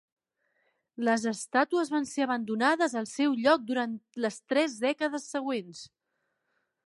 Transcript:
Les estàtues van ser abandonades al seu lloc durant les tres dècades següents.